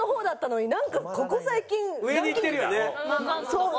そう。